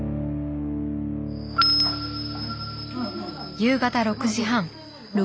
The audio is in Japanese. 夕方６時半。